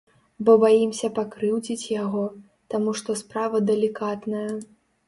Бо баімся пакрыўдзіць яго, таму што справа далікатная.